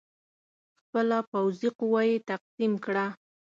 خپله پوځي قوه یې تقسیم کړه.